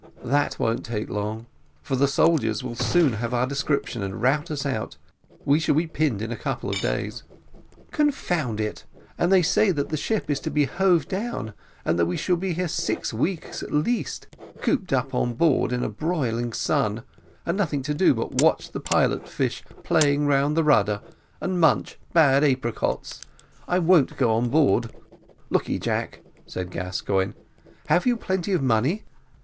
"That won't take long, for the soldiers will soon have our description and rout us out we shall be pinned in a couple of days." "Confound it, and they say that the ship is to be hove down, and that we shall be here six weeks at least, cooped up on board in a broiling sun, and nothing to do but to watch the pilot fish playing round the rudder, and munch bad apricots. I won't go on board; look ye, Jack," said Gascoigne, "have you plenty of money?"